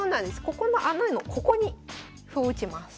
ここの穴のここに歩を打ちます。